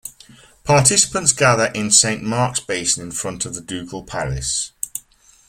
Participants gather in Saint Marks Basin in front of the ducal palace.